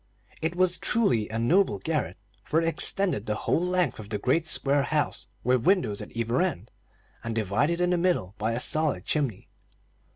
It was truly a noble garret, for it extended the whole length of the great square house, with windows at either end, and divided in the middle by a solid chimney.